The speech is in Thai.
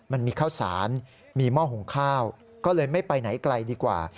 มันมีข้าวสารมีหม้อหุงข้าวก็เลยไม่ไปไหนไกลดีกว่า